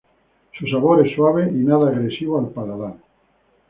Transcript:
Su sabor es suave y nada agresivo al paladar.